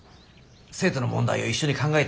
生徒の問題を一緒に考えてくれる方。